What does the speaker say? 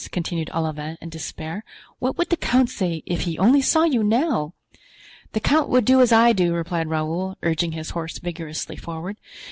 continued Olivain, in despair, "what would the count say if he only saw you now!" "The count would do as I do," replied Raoul, urging his horse vigorously forward.